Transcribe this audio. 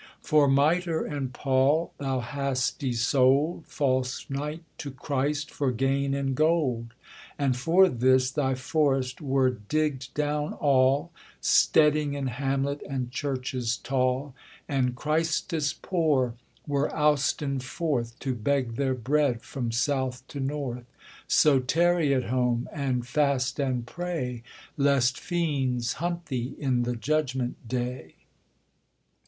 For mitre and pall thou hast y sold, False knight to Christ, for gain and gold; And for this thy forest were digged down all, Steading and hamlet and churches tall; And Christes poor were ousten forth, To beg their bread from south to north. So tarry at home, and fast and pray, Lest fiends hunt thee in the judgment day.'